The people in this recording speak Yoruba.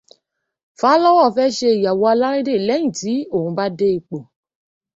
Fálọ́wọ̀ fẹ́ ṣe ìyàwó alárédè lẹ́yìn tí òun bá dé ipò.